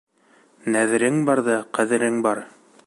Нәҙерең барҙа ҡәҙерең бар.